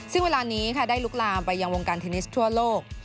ซึ่งเวลานี้ค่ะได้ลุกลามไปยังวงการเทนนิสทั่วโลก